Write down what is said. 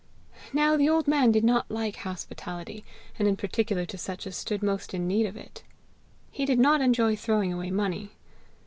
Now the old man did not like hospitality, and in particular to such as stood most in need of it; he did not enjoy throwing away money!